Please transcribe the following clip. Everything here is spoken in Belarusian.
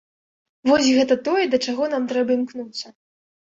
Вось гэта тое, да чаго нам трэба імкнуцца.